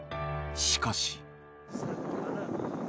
しかし。